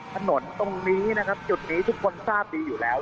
ถนนตรงนี้นะครับจุดนี้ทุกคนทราบดีอยู่แล้ว